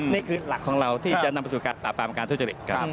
นี่คือหลักของเราที่จะนำไปสู่การปราบปรามการทุจริต